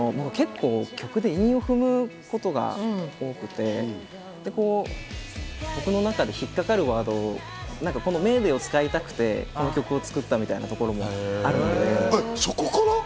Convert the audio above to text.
韻を踏むことが多くて、僕の中で引っ掛かるワード、「メーデー」を使いたくて、この曲を作ったというところがあるんです。